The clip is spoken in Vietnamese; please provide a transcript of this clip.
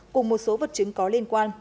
cùng một số vật chứng có liên quan